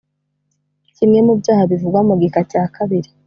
kimwe mu byaha bivugwa mu gika cya kabiri